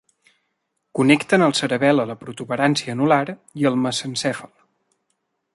Connecten el cerebel a la protuberància anular i el mesencèfal.